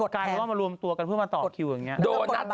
กลายเป็นว่ามารวมตัวกันเพื่อมาต่อคิวอย่างนี้